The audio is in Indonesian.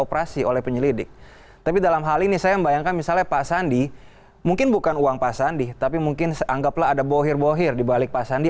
pasalnya pak sandi mungkin bukan uang pak sandi tapi mungkin anggaplah ada bohir bohir di balik pak sandi